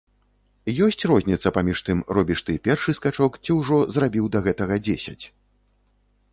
Ёсць розніца паміж тым, робіш ты першы скачок ці ўжо зрабіў да гэтага дзесяць?